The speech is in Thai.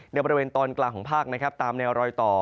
ในบริเวณตอนกลางของภาคนะครับตามแนวรอยต่อ